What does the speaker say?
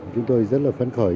chúng tôi rất là phân khởi